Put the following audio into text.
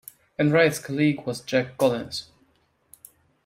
Enright's colleague was Jack Collins.